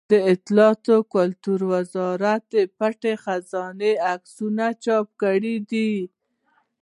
د اطلاعاتو او کلتور وزارت پټه خزانه عکسي چاپ کړې ده.